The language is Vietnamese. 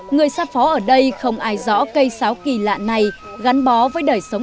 người xa phó ở đây không ai rõ cây sáo kỳ lạ này gắn bó với đời sống